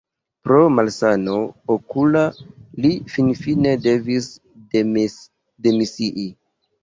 Pro malsano okula li finfine devis demisii.